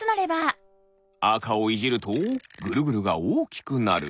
あかをいじるとぐるぐるがおおきくなる。